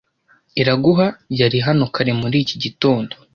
Iraguha yari hano kare muri iki gitondo.